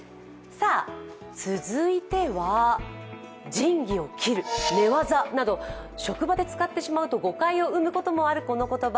続いては、仁義を切る、寝技など職場で使ってしまうと誤解を生むこともある、この言葉。